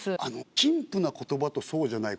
陳腐な言葉とそうじゃない言葉。